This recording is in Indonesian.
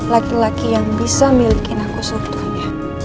laki laki yang bisa milikin aku sebetulnya